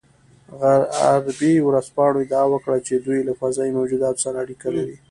غربي ورځپاڼو ادعا وکړه چې دوی له فضايي موجوداتو سره اړیکه لري